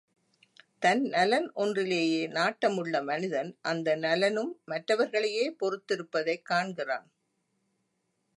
தன் நலன் ஒன்றிலேயே நாட்டமுள்ள மனிதன் அந்த நலனும் மற்றவர்களையே பொறுத்திருப்பதைக் காண்கிறான்.